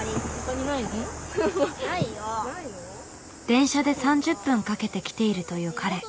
電車で３０分かけて来ているという彼。